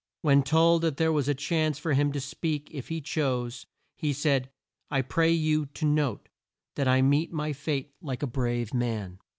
When told that there was a chance for him to speak if he chose, he said "I pray you to note that I meet my fate like a brave man."